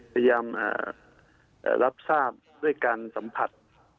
พยายามรับทราบด้วยการสัมผัส